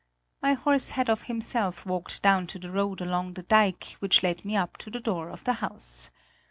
My horse had of himself walked down to the road along the dike which led me up to the door of the house.